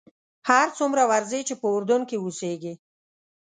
هر څومره ورځې چې په اردن کې اوسېږې.